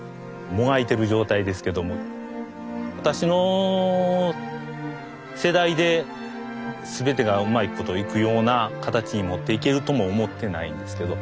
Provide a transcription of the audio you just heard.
もがいてる状態ですけども私の世代で全てがうまいこと行くような形に持っていけるとも思ってないんですけど